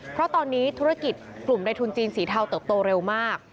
เพราะตอนนี้ธุรกิจกลุ่มในทุนจีนสีเทาเติบโตเร็วมาก